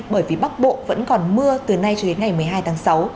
bởi vì bắc bộ vẫn còn mưa từ nay cho đến ngày một mươi hai tháng sáu